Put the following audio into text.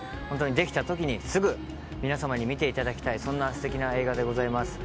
できたときに、すぐ皆様に見ていただきたい、そんな素敵な映画でございます。